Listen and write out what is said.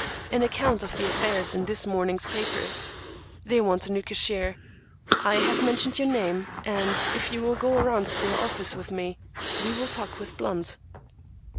An account of the affair is in this morning's papers. They want a new cashier. I have mentioned your name, and if you will go around to their office with me, we will talk with Blunt."